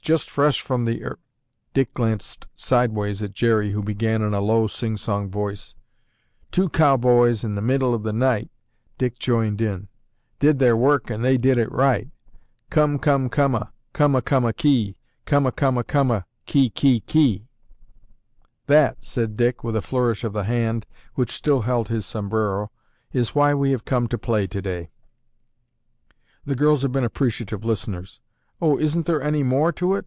Just fresh from the—er—" Dick glanced sideways at Jerry who began in a low sing song voice: "Two cowboys in the middle of the night," Dick joined in: "Did their work and they did it right. Come, come, coma, Coma, coma, kee. Coma, coma, coma, Kee, kee, kee." "That," said Dick with a flourish of the hand which still held his sombrero, "is why we have time to play today." The girls had been appreciative listeners. "Oh, isn't there any more to it?"